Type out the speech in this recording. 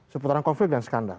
seputaran konflik dan skandal